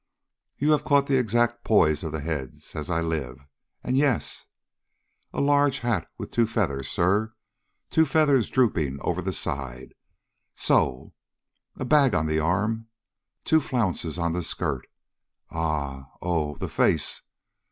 "You have caught the exact poise of the head, as I live, and yes, a large hat with two feathers, sir, two feathers drooping over the side, so; a bag on the arm; two flounces on the skirt; a oh! the face?